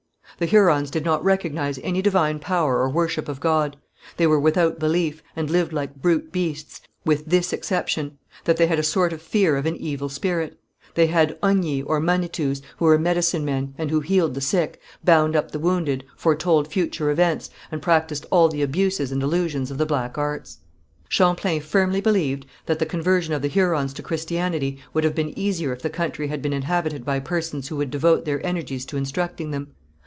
The Hurons did not recognize any divine power or worship of God. They were without belief, and lived like brute beasts, with this exception, that they had a sort of fear of an evil spirit. They had ogni or manitous, who were medicine men, and who healed the sick, bound up the wounded, foretold future events, and practised all the abuses and illusions of the black arts. Champlain firmly believed that the conversion of the Hurons to Christianity would have been easier if the country had been inhabited by persons who would devote their energies to instructing them.